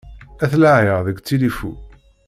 Ad t-laɛiɣ deg tilifu.